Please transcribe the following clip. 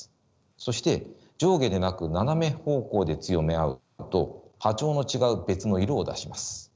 そして上下でなく斜め方向で強め合うと波長の違う別の色を出します。